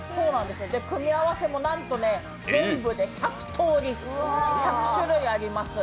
組み合わせもなんと全部で１００種類あります。